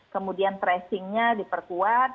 kemudian tracingnya diperkuat